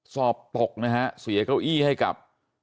สอบตกนะฮะเสียเก้าอี้ให้กับ